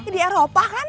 di eropa kan